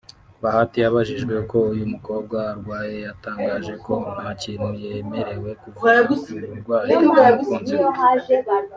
Bahati abajijwe uko uyu mukobwa arwaye yatangaje ko nta kintu yemerewe kuvuga k’uburwayi bw’umukunzi we